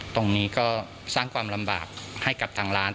ตรงนี้ก็สร้างความลำบากให้กับทางร้าน